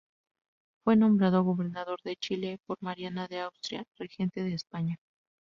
Fue nombrado gobernador de Chile, por Mariana de Austria, regente de España.